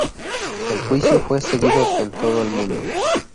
El juicio fue seguido en todo el mundo.